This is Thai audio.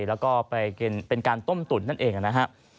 แล้วก็ไปเป็นการต้มตุ๋นนั่นเองนะครับ